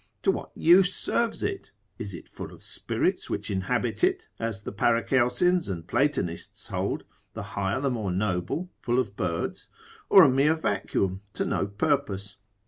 To what use serves it? Is it full of spirits which inhabit it, as the Paracelsians and Platonists hold, the higher the more noble, full of birds, or a mere vacuum to no purpose?